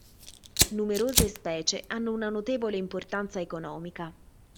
Numerose specie hanno una notevole importanza economica.